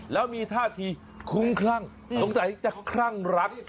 แล้วมีท่าทีคุ้มคลั่งสงสัยจะคลั่งรัก